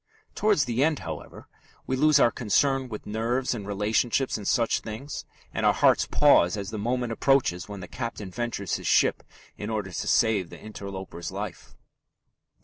Towards the end, however, we lose our concern with nerves and relationships and such things, and our hearts pause as the moment approaches when the captain ventures his ship in order to save the interloper's life.